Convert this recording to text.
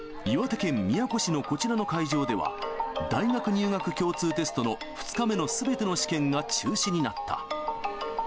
岩手県宮古市のこちらの会場では、大学入学共通テストの２日目のすべての試験が中止になった。